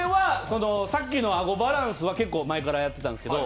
さっきのアゴバランスは結構前からやってたんですけど